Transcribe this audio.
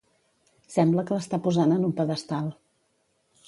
Sembla que l'està posant en un pedestal.